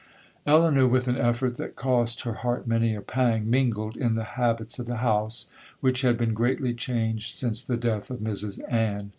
'Elinor, with an effort that cost her heart many a pang, mingled in the habits of the house, which had been greatly changed since the death of Mrs Ann.